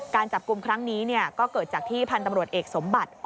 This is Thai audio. การจับกลุ่มครั้งนี้ก็เกิดจากที่พันธ์ตำรวจเอกสมบัติ